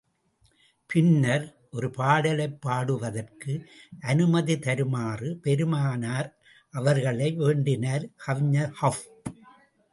பின்னர், ஒரு பாடலைப் பாடுவதற்கு அனுமதி தருமாறு பெருமானார் அவர்களை வேண்டினார் கவிஞர் கஃப்.